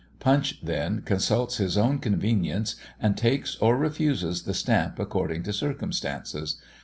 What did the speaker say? [C] Punch, then, consults his own convenience and takes or refuses the stamp according to circumstances.